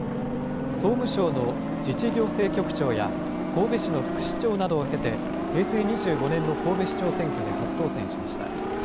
総務省の自治行政局長や神戸市の副市長などを経て、平成２５年の神戸市長選挙で初当選しました。